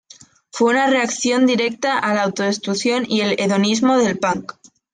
Fue una reacción directa a la autodestrucción y el hedonismo del punk.